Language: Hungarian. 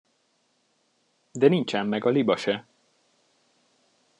De nincs ám meg a liba se!